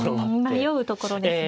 迷うところですね